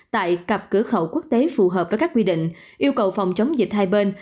tại cặp cửa khẩu quốc tế phù hợp với các quy định yêu cầu phòng chống dịch hai bên